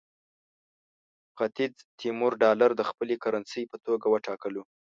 ختیځ تیمور ډالر د خپلې کرنسۍ په توګه وټاکلو.